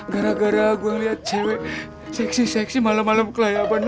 gara gara gue liat cewek seksi seksi malem malem kelayaban